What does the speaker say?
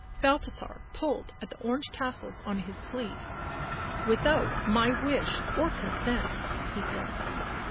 Balthasar pulled at the orange tassels on his sleeve. " Without my wish or consent," he said.